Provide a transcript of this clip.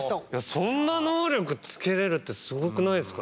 そんな能力つけれるってすごくないですか。